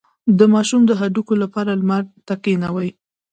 د ماشوم د هډوکو لپاره لمر ته کینوئ